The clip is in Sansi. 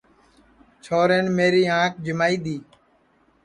چھورین میری آنکھ جیمائی دؔی